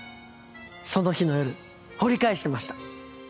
その日の夜掘り返してました。